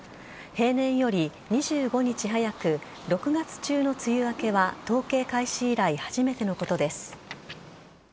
平年より２５日早く６月中の梅雨明けは統計開始以来初めてのことです。